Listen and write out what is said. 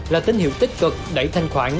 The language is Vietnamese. là tín hiệu tích cực đẩy thanh khoản